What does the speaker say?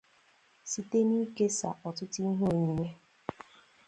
site n'ikesà ọtụtụ ihe onyinye